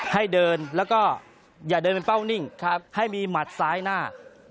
ให้เดินแล้วก็อย่าเดินเป็นเป้านิ่งให้มีหมัดซ้ายหน้า